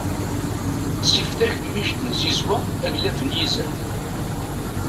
Ttif takemmict n tzizwa aglaf n yizan.